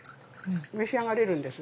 召し上がれるんです。